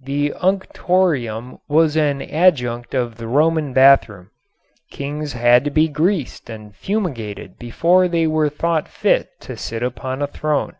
The unctorium was an adjunct of the Roman bathroom. Kings had to be greased and fumigated before they were thought fit to sit upon a throne.